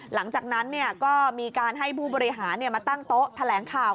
หลังจากนั้นก็มีการให้ผู้บริหารมาตั้งโต๊ะแถลงข่าว